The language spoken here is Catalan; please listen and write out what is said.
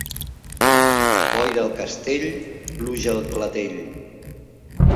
Boira al castell, pluja al clatell.